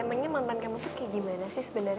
emangnya nonton kamu tuh kayak gimana sih sebenarnya